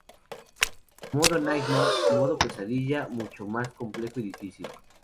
Modo Nightmare: Modo pesadilla, mucho más complejo y difícil.